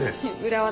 裏技。